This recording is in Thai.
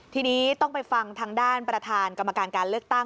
ทีนี้ต้องไปฟังทางด้านประธานกรรมการการเลือกตั้ง